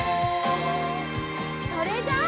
それじゃあ。